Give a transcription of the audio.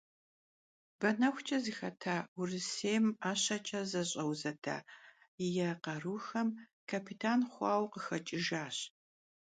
Benexuç'e zıxeta Vurısêym 'eşeç'e Zeş'euzeda yi Kharuxem kapitan xhuaue khıxeç'ıjjaş.